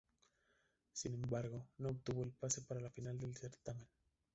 Sin embargo, no obtuvo el pase para la final del certamen.